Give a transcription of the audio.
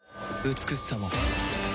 美しさも